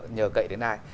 nhờ cậy đến ai